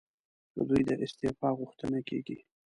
له دوی د استعفی غوښتنه کېږي.